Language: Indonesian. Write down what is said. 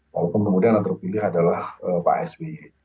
walaupun kemudian yang terpilih adalah pak sby